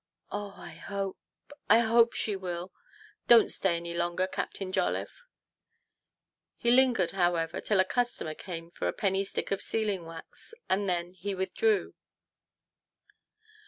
" Oh, I hope I hope she will! Don't stay any longer. Captain Jolliffe !" He lingered, however, till a customer came for a penny stick of sealing wax, and then he withdrew.